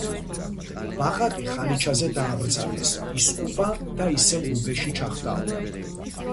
ბაყაყი ხალიჩაზე დააბრძანეს, ისკუპა და ისევ გუბეში ჩახტაო